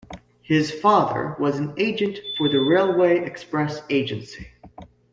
His father was an agent for the Railway Express Agency.